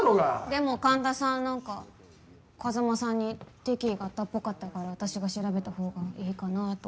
でも神田さん何か風真さんに敵意があったっぽかったから私が調べたほうがいいかなぁと。